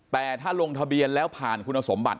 แต่ถ้าลงทะเบียนแล้วผ่านคุณสมบัติ